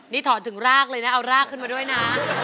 นี่ถอนถึงรากเลยนะเอารากขึ้นมาด้วยนะ